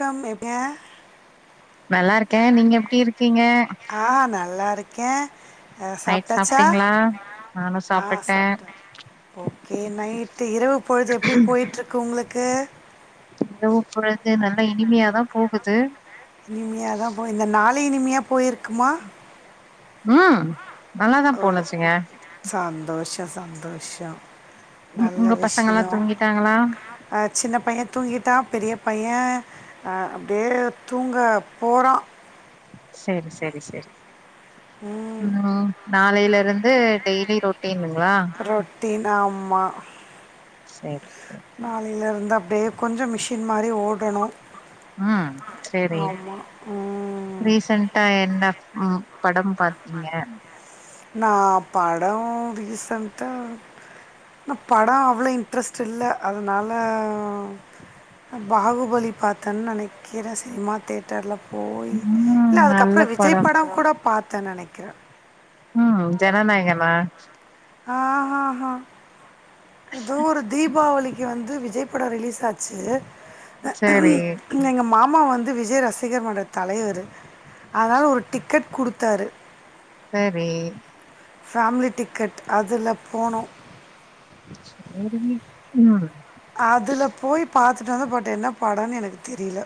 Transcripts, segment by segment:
Come எப் ஏங்க நல்லா இருக்கே நீங்க எப்டி இருக்கீங்க ஆ நல்லா இருக்கே நைட் சாப்ட்டீங்ளா நானு சாப்புட்ட ஓக்கே நைட்டு இரவு பொழுது எப்டி போய்ட்டு இருக்கு உங்ளுக்கு இரவு பொழுது நல்லா இனிமையாதா போகுது இனிமையா தா போ இந்த நாளே இனிமையா போயிருக்குமா உம் ஓ இனிமையாதா போனிச்சிங்க சந்தோஷோ சந்தோஷோ உம் உங்க பசங்க எல்லா தூங்கிட்டாங்ளா அ சின்ன பையன் தூங்கிட்டா பெரிய பைய்யே அ அப்டியே தூங்க போறா செரி செரி செரி ம் உம் நாளையில இருந்து டெய்லியு ரொட் டின்ங்ளா ரொட்டின் ஆமா சேரி சேரி நாளையில இருந்து அப்டியே கொஞ்சோ மிஷின் மாறி ஓடணு உம் சேரி ம் ரீசென்டா என்ன ம் படம் பாத்தீங்க நா படோ ரீசன்ட்டா நா படோ அவ்ளோ இன்ட்ரெஸ்ட் இல்ல அதனால பாகுபலி பாத்தன்னு நெனைக்குற சினிமா தேட் டர்ல போயி ம் இல்ல நல்ல அதுக்கப்பறோ விஜய் படம் படோ கூட பாத்தேன்னு நெனைக்கிறே உம் ஜனநாயகனா ஆ ஆ ஆ ஏதோ ஒரு தீபாவளிக்கு வந்து விஜய் படம் ரிலீஸ் ஆச்சு சேரி எங்க மாமா வந்து விஜய் ரசிகர்மன்ற தலைவரு அதனால ஒரு டிக்கெட் குடுத்தாரு சேரி ஃபேமிலி டிக்கெட் அதுல போனோ சேரிங்க உம் அதுல போயி பாத்துட்டு வந்தோ பட் என்ன படோன்னு எனக்கு தெரியல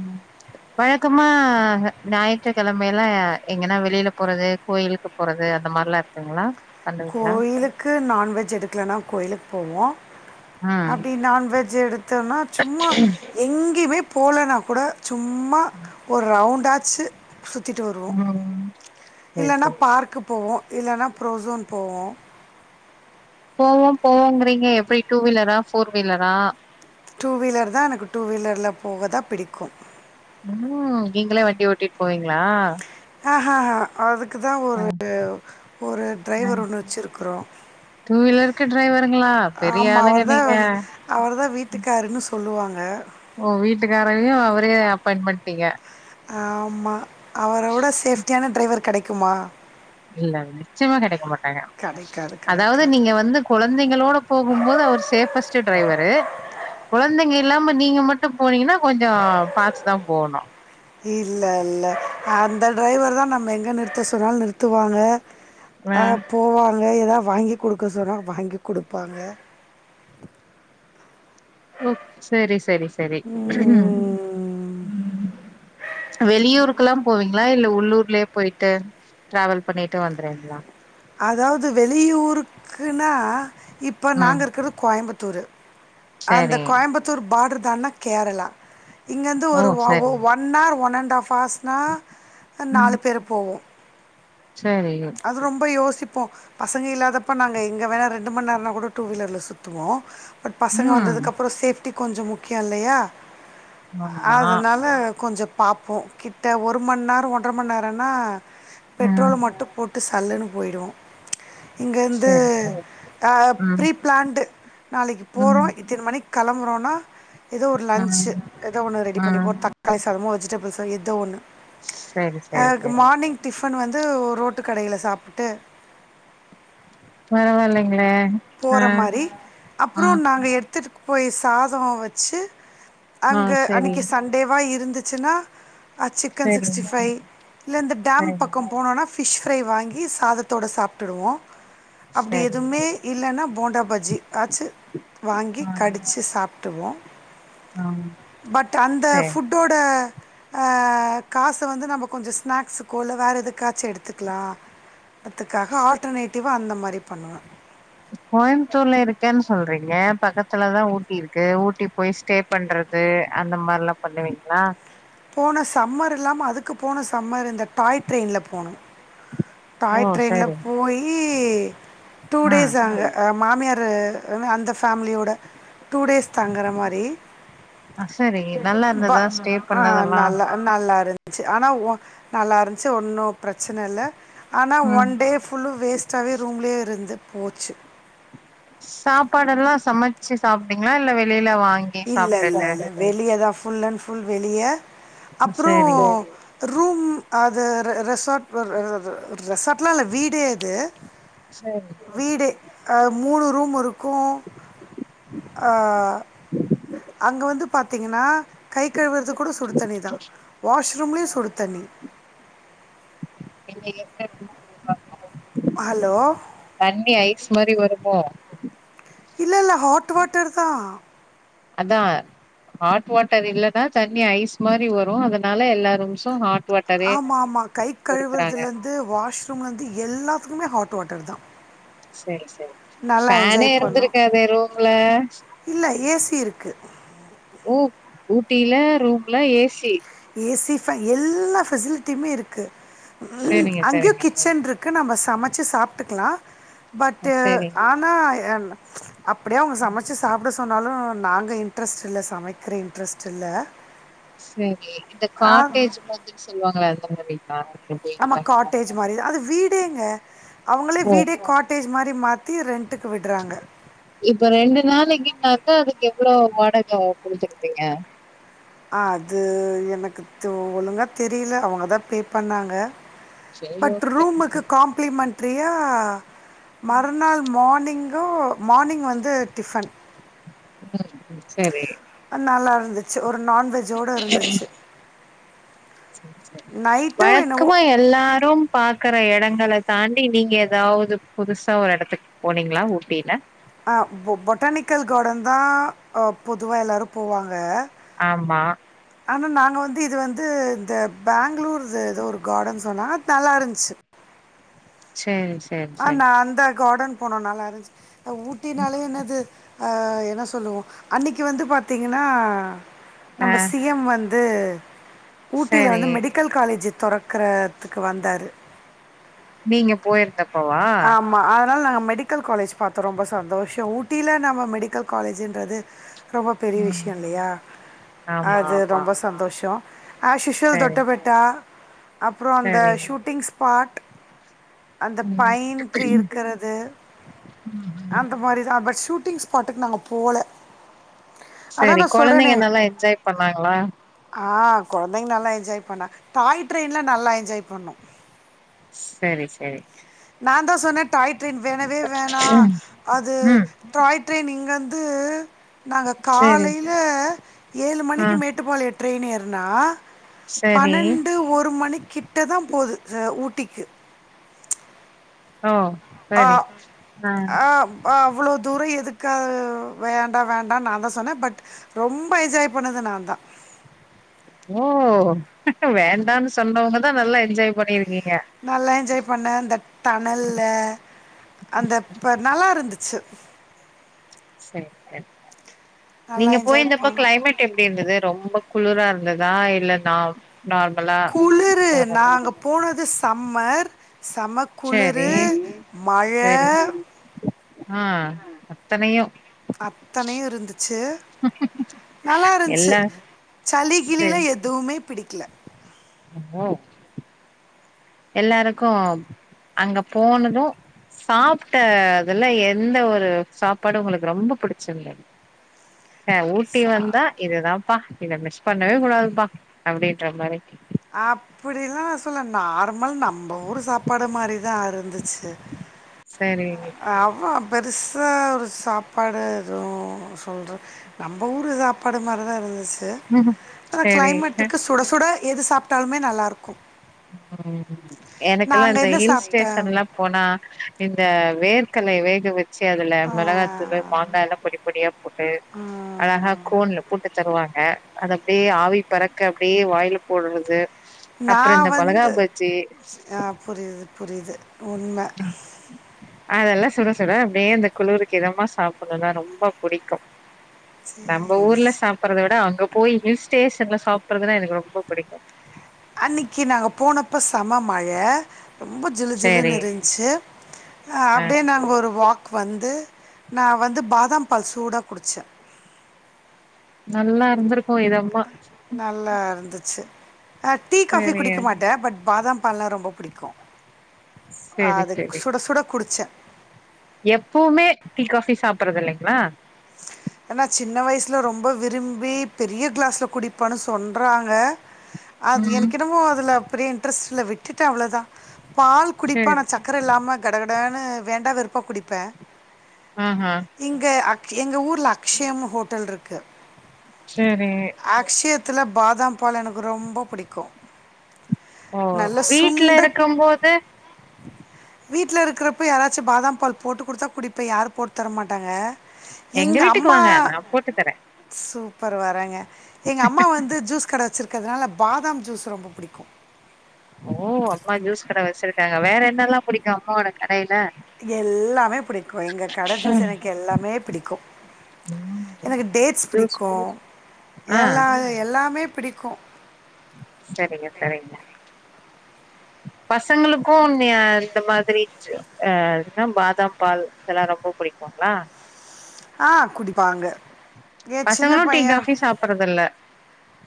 உம் வழக்கமா ஞாயிற்றுக்கெழமையில எங்கனா வெளியில போறது கோயிலுக்கு போறது அந்த மாறில்லா இருக்குங்ளா கோயிலுக்கு நான்வெஜ் எடுக்கலன்னா கோயிலுக்கு போவோ ம் அப்டி நான்வெஜ் எடுத்தோன்னா சும்மா எங்கயுமே போலன்னா கூட சும்மா ஒரு ரவுண்டாச்சு சுத்திட்டு வருவோ ம் சேரி இல்லன்னா சேரி பார்க்கு போவோ இல்லன்னா புரோசோன் போவோ போவோ போவோங்றீங்க எப்டி டூ வீலரா ஃபோர் வீலரா டூ வீலர் தா எனக்கு டூ வீலர்ல போகதா பிடிக்கு ம் நீங்களா வண்டி ஓட்டிட்டு போவீங்ளா ஆஹ அதுக்குதா ஒரு ஒரு அ டிரைவர் ஒன்னு வச்சிருக்குறோ டூ வீலருக்கு டிரைவருங்களா பெரிய ஆமா ஆளுங்க அவுர்தா நீங்க அவுர்தா வீட்டுக்காருன்னு சொல்லுவாங்க ஓ வீட்டுக்காரவே அவரயே அப்பாயிண் பண்ட்டீங்க ஆமா அவரோட சேஃப்ட்டியான டிரைவர் கெடைக்குமா இல்ல நிச்சயமா கெடைக்க மாட்டாங்க கெடைக்காது, அதாவ்து கெடைக்காது. நீங்க வந்து கொழந்தைங்களோட போகும்போது அவர் சேஃபஸ்ட் டிரைவரு ககொழந்தைங்க இல்லாம நீங்க மட்டு போனீங்கன்னா கொஞ்சோ பாத்துதா போவுணு இல்ல இல்ல அந்த டிரைவர்தா நம்ம எங்க நிறுத்த சொன்னாலு நிறுத்துவாங்க ஆ போவாங்க எதா வாங்கி குடுக்க சொன்னா வாங்கி குடுப்பாங்க ஓ செரி செரி செரி ம் வெளியூருக்ல்லா போவீங்ளா இல்ல உள்ளூர்லயேபொய்ட்டு டிராவல் பண்ணிட்டு வந்துறுவீங்ளா அதாவ்து வெளியூருக்குன்னா இப்ப ம் நாங்க இருக்ஙுறது கோயம்புத்தூரு அந்த சரி கோயம்புத்தூர் பாட்ரு தான்டுனா கேரளா இங்கருந்து ஓ ஒரு ஒவ ஒ சரி ஒன்னார் ஒன் அண்ட் ஹாவ் ஹார்ஸ்னா நாலு பேரு போவோ சேரி அது ரொம் ப யோசிப்போ பசங்க இல்லாதப்ப நாங்க எங்க வேணா ரெண்டு மண் நேரோனா கூட டூ வீலர்ல சுத்துவோ பசங்க ம் வந்ததுக்கப்றோ சேஃப்டி கொஞ்சோ முக்கியோ இல்லயா ஆமா அதனால கொஞ்சோ பாப்போ கிட்ட ஒரு மண் நேரோ ஒன்றர மண் நேரோனா ம் பெட்ரோல் மட்டு போட்டு சல்லுன்னு பொயிடுவோ இங்க வந்து சரி சரி அ ம் ப்ரி‌ பிளான்டு நாளைக்கு போறோ ம் இத்தின மணிக் கெளம்புறோன்னா ஏதோ ஒரு லன்ஞ் ம் ஏதோ ஒன்னு ரெடி பண்ணி ம் போ த க்காளி சாதமோ வெஜிடபிள்ஸோ எதோ ஒண்ணு சரி சரி எனக்கு சரி மார்னிங் மார்னிங் டிஃபன் வந்து ரோட்டு கடையில சாப்டுட்டு பரவாயில்லைங்களே ஆ போற மாரி ஆ அப்றோ நாங்க எட் போய் சாதோ வச்சு ஆ அங்க சரி அன்னக்கி சன்டே வா இருந்துச்சுன்னா சிக்கன் சரி சிக்ஸ்டி ஃபை இல்ல இந்த டேம் சரி பக்கோ போனோனா ஃபிஷ் ஃப்ரை வாங்கி சாதத்தோடு சாப்டிடுவோ அப்டி சரி எதுமே இல்லன்னா போண்டாபஜ்ஜி ஆச்சு வாங்கி ஆ கடிச்சு சாப்ட்டுருவோ ஆ பட் அந்த சரி ஃபுட் காசு வந்து நம்ம கொஞ்சோ ஸ்நாக்ஸுக்கோ இல்ல வேற எதுக்காச்சு எடுத்துக்லா அதுக்காக ஆல்டர்னேட்டிவா அந்த மாரி பண்ணுவே கோயம்புத்தூர்ல இருக்கேன்னு சொல்றீங்க பக்கத்துலதா ஊட்டி இருக்கு ஊட்டி போய் ஸ்டேப் பண்றது அந்த மார்ல்லா பண்ணுவீங்ளா போன சம்மர் இல்லாம அதுக்கு போன சம்மர் இந்த டாய் ட்ரெயின்ல போணோ டாய் ஓ ட்ரெய்ன்ல்ல சரி போயி டூ ம் டேஸ் அங்க மாமியாரு அந்த ஃபேமிலியோட டூ டேஸ் தாங்குற மாரி சரி நல்லா இருந்ததா ஸ்டே ஆ பண்ணதெல்லா நல்லா அ நல்லா இருந்ச்சு ஆனா ஒன்னு நல்லா இருந்ச்சு ஒன்னு பிரச்சன இல்ல ஆனா ம் ஒன் டே ஃபுல்லு வேஸ்ட்டாவே ரூம்லேயே இருந்து போச்சு சாப்பாடு எல்லா சமச்சு சாப்டீங்களா இல்ல வெளியில வாங்கி இல்ல இல்ல சாப்ட்டுட்டு இல்ல வெளியதா ஃபுல் அண்ட் ஃபுல் வெளிய அப்புறோ சரி ரூம் அது ர ரெசார்ட் ர ர ரெசார்ட்லா இல்ல வீடே அது சேரி வீடு அ மூணு ரூம் இருக்கு அ ம் அங்க வந்து பாத்தீங்கனா கை கழுவுறது கூட சுடு தண்ணி தா வாஷ்ரூம்லயு சுடு தண்ணி என்ன [inaudible] ஹலோ தண்ணி ஐஸ் மாரி வருமோ இல்ல இல்ல ஹாட் வாட்டர் தா அதா ஹாட் வாட்டர் இல்லன்னா தண்ணி ஐஸ் மாரி வரு அதனால எல்லா ரூம்ஸு ஹாட் வாட்டரே ஆமா ஆமா கை குடுக்குறாங்க கழுவுறதுலிர்ந்து வாஷ்ரூம்லருந்து எல்லாத்துக்குமே ஹாட் வாட்டர் தா செரி செரி நல்லா ஃபேனே என்ஜாய் பண்ணோ இருந்திருக்காதே ரூம்ல இல்ல ஏ சி இருக்கு ஊ ஊட்டில ரூம்ல ஏ சி ஏ சி ஃபே எல்லா ஃபெசிலிட்டியுமே இருக்கு சரிங்க அங்கயு சரிங்க அ, கிச்சன் ருக் க்கு நாம சமச்சு சாப்ட்டுக்லா பட் டு சரி ஆனா எம் அப்டியே அவங்க சமச்சு சாப்ட சொன்னாலு நாங்க இன்ட்ரெஸ்ட் இல்ல சமைக்கிற இன்ட்ரெஸ்ட் இல்ல சேரி இந்த ஆ காட்டேஜ் மாத்ரி சொல்லுவாங்களா அந்த மாரிங்களா ஆமா காட்டேஜ் மாரிதா அது வீடேங்க அவங்களே ஓ வீடே காட் டேஜ் மாரி மாத்தி ரெண்ட்டுக்கு விட்றாங்க இப்ப ரெண்டு நாளைக்குனாக்க அதுக்கு எவ்ளோ வாடக அ குடுத்துருப்பீங்க ஆ அது எனக்கு தோ ஒழுங்கா தெரியில அவங்கதா பே பண்ணாங்க சரி பட் ஓகே ரூமுக்கு காம்ப்ளிமென்ட்ரியா மறுநாள் மார்னிங்கு மார்னிங் வந்து டிஃபன் உம் செரி அ நல்லா இருந்துச்சு ஒரு நான்வெஜ்ஜோட இருந்துச்சு நைட்டோ என்னவோ வழக்கமா எ எல்லாரு பாக்கற எடங்கள தாண்டி நீங்க ஏதாவது புதுசா ஒரு எடத்துக்கு போனீங்களா ஊட்டில ஆ பொ பொட்டானிக்கல் கார்டன் தா பொதுவா எல்லாரு போவாங்க ஆம்மா ஆனா நாங்க வந்து இது வந்து இந்த பேங்களூர்து ஏதோ ஒரு கார்டன் சொன்னாங் நல்லா இருன்ச்சு சேரி சே ஆ நா அந்த கார்டன் போனோ நல்லா இருன்ச்சு அ ஊட்டினாலயே ம் என்னது ஆ என்ன சொல்லுவோ அன்னிக்கு வந்து பாத்தீங்கனா ஆ நம்ம சி எம் வந்து ஊட்டில சரி வந்து மெடிக்கல் காலேஜ்ஜு தெறக்கறதுக்கு வந்தாரு நீங்க போயிருந்தப் ஆமா அதனால நாங்க மெடிக் மெடிக்கல் காலேஜ்ஜு பாத்தோ ரொம்ப சந்தோஷோ ஊட்டியில நாம மெடிக்கல் காலேஜ்ஜுன்றது ரொம்ப பெரிய ம் விஷய இல்லையா ஆமா அது ஆமா ரொம்ப சந்தோஷ ஆஷ்யூஷல் சரி தொட்டபெட் டா அப்புற அந்த சரி ஷூட்டிங் ஸ்பாட் அந்த ம் பைன் ட்ரி இருக்கறது ம் அம் ம் அந்த மாரிதா அப்ப ஷூட்டிங் ஸ்பாட்டுக்கு நாங்க போல செரி அதான் நான் சொல்றேனே! கொழந்தைங்க நல்லா என்ஜாய் பண்ணாங்களா ஆ கொழந்தைங்க நல்லா என்ஜாய் பண்ணா டாய் ட்ரெயின்லா நல்லா என்ஜாய் பண்ணோ சரி சரி நான் தா சொன்னே டாய் ட்ரைன் வேணவே வேணா அது ம் டாய் ட்ரைன் இங்கர்ந்து நாங்க சரி காலையில ஏழு ஆ மணிக்கு மேட்டுப்பாளைய ட்ரெயின் ஏறுனா சரி பன்னெண்டு ஒரு மணி கிட்ட தா போது ச ஊட்டிக்கு ஓ ஆ சரி ஆ ஆம் ஆ அவ்வளோ தூர எதுக்காக வேண்டா வேண்டான்னு நான் தா சொன்ன பட் ரொம்ப என்ஜாய் பண்ணது நான் தா ஓ வேண்டான்னு சொன்னவங்கதா நல்லா என்ஜாய் பண்ணிருக்கீங்க நல்லா என்ஜாய் பண்ண அந்த டனல்ல ம் அந்த ம். ப நல்லா இருந்துச்சு சேரி சேரி நல்லா நீங்க என்ஜாய் போயிருந்தப்ப பண்ணோம் கிளைமேட் எப்டி இருந்தது ரொம்ப குளிரா இருந்ததா இல்ல நா நார்மலா குளிரு ஓரளவு நாங்க போனது சம்மர் செம்ம சரி குளிரு மழ சரி ஆ அத்தனையு அத்தனையு இருந்துச்சு நல்லா இருந்ச்சு எல்லா சளி கிளிலா எத் துவுமே பிடிக்கல ம் ஓ எல்லாருக்கு அங்க போனது சாப்ட்ட அதுல எந்த ஒரு சாப்பாடு உங்களுக்கு ரொம்ப புடிச்சுருந்தது ச ஊட்டி ச வந்தா இதுதான்ப்பா இத மிஸ் பண்ணவே கூடாதுப்பா அப்டின்ற மாரி அப்டிலா நா சொல்ல நார்மல் நம்ப ஊரு சாப்பாடு மாரிதா இருந்துச்சு சேரி அவ பெருசா ஒரு சாப்பாடு எதுவு சொல்ற நம்ப ஊரு சாப்பாடு மாரிதா இருந்துச்சு ம் ஆனா சரி அ கிளைமேட்டுக்கு சுட சுட எது சாப்ட்டாலுமே நல்லா இருக்கும் ம் எனக்கெல்லா இந்த என்ன ஹில்ஸ் சாப்ட்ட ஸ்டேஷன்லா போனா இந்த வேர்கல்லைய வேகவச் சு அதுல ஆ மெளகாத்தூள் மாங்கா எல்லா பொடி பொடியா போட்டு ஆ அழகா கோன்ல போட்டு தருவாங்க அது அப்டியே ஆவி பறக்க அப்டியே வாயில போட்றது நா வந்து ஆ புரியுது புரியுது உண்ம அதெல்லா சுட சுட அப்டியே அந்த குளுருக்கு இதமா சாப்புட்ணுன்னா ரொம்ப புடிக்கு நம்ம சேரி ஊர்ல சே சாப்புறத விட அங்க போய் ஹில் ஸ்டேஷன்ல சாப்புறதுன்னா எனக்கு ரொம்ப புடிக்கு அன்னைக்கி நாங்க போனப்ப செம மழ ரொம்ப ஜிலு ஜிலுனு சேரி இருந்ச்சு ஆ அப்டியே நாங்க ஒரு வாக் வந்து நா வந்து பாதாம் பால் சூடா குடிச்ச நல்லா இருந்திருக்கு இதம்மா நல்லா இருந்துச்சு அ டீ காஃபி சேரிங்க குடிக்க மாட்டே பட் பாதாம் பாலெல்லா ரொம்ப பிடிக்கு சேரி அது சேரி சுட சுட குடிச்சே எப்பவுமே டீ காபி சாப்பறது இல்லைங்களா ஏன்னா சின்ன வயசிலா ரொம்ப விரும்பி பெரிய கிளாஸில்லா குடிப்பான்னு சொல்றாங்க அது ம் எனக்குனமோ அதில பெரிய இன்ட்ரெஸ்ட்ல்லா விட்டுட்டே அவ்வளோதா பால் குடிப்போ ஆன சேரி சக் கரை இல்லாம கடகடன்னனு வேண்டா வெறுப்பா குடிப்பே ம்ஹூம் இங்கே அக் எங்கள் ஊரில் அக்க்ஷயம் ஹோட்டல் இருக்கு சேரி அக்க்ஷயத்தில்ல‌ பாதாம் பால் எனக்கு ரொம்ப புடிக்கு ஓ நல்ல வீட்ல சுண்ட இருக்கும் போது வீட்ல இருக்கிறப்ப யாராச்சும் பாதாம் பால் போட்டு குடுத்தா குடிப்பே யாரு போட்டு தர மாட்டாங்க எங்க வீட்டுக்கு வாங்க நா போட்டு தர்றே சூப்பர் வர்றங்க எங்க அம்மா வந்து ஜூஸ் கடை வச்சிருக் கிறதுனால பாதாம் ஜூஸ் ரொம்ப புடிக்கு ஓ அம்மா ஜூஸ் கடை வச்சிருக்காங்க வேற என்னல்லாம் புடிக்கும் அம்மாவோட கடையில எல்லாமே பிடிக்கு எங்க கடை ஜூஸ் எனக்கு எல்லாமே பிடிக்கு ம் எனக்கு டேட்ஸ் ஜூஸ் பிடிக்கு ஆ எல்லா எல்லாமே பிடிக்கு செரிங்க செரிங்க பசங்களுக்கு நீ இந்த மாரி அ என்ன பாதாம் பால் இதெல்லா ரொம்ப புடிக்குங்களா அ குடிப்பாங்க ஏ சின்ன பசங்களு டீ பைய காஃபி சாப்பறது இல்ல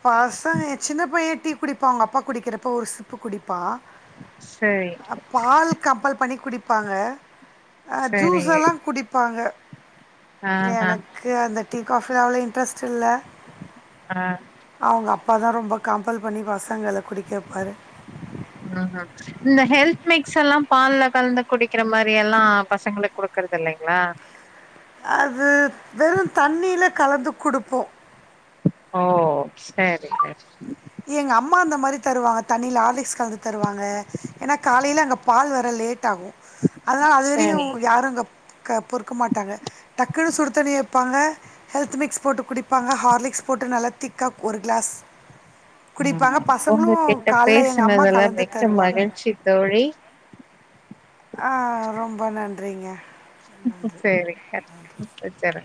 பசங்க சின்ன பைய டீ குடிப்பா அவுங்க அப்பா குடிக்கிறப்ப ஒரு சிப்பு குடிப்பா சேரி பால் கம்பல் பண்ணி குடிப்பாங்க அ சரிங்க ஜூஸெல்லா குடிப்பாங்க ஆ ஆ எனக்கு அந்த டீ காஃபில்ல அவ்வள இன்ட்ரெஸ்ட் இல்ல ஆ அவுங்க அப்பா தா ரொம்ப கம்பல் பண்ணி பசங்கள குடிக்க வெப்பாரு ம்ஹூம் இந்த ஹெல்த் மிக்ஸ் எல்லா பால்ல கலந்து குடிக்கிற மாரி எல்லா பசங்களுக்கு குடுக்கறது இல்லிங்களா அது வெறு தண்ணில கலந்து குடுப்போ ஓ சேரி செரி எங்க அம்மா அந்த மாரி தருவாங்க தண்ணில ஆர்லிக்ஸ் கலந்து தருவாங்க ஏனா காலைல அங்க பால் வர லேட் ஆகு அதனால அதுவரையு சரி யாரு அங்க பொறுக்க மாட்டாங்க டக்குன்னு சுடு தண்ணி வப்பாங்க ஹெல்த் மிக்ஸ் போட்டு குடிப்பாங்க ஹார்லிக்ஸ் போட்டு நல்லா திக்கா ஒரு கிளாஸ் குடிப்பாங்க ம் உங்க பசங்களும் கிட்ட காலைல எங்கள் அம்மா பேசுனதெல்லா கலந்து மிக்க தருவாங்க மகிழ்ச்சி தோழி ஆ ரொம்ப நன்றிங்க சேரிங்க வெச்சறே